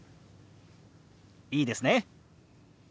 いいですね？